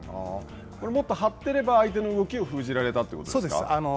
これもっと張っていれば相手の動きを封じられたというこそうです。